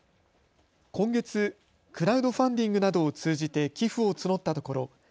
今月、クラウドファンディングなどを通じて寄付を募ったところ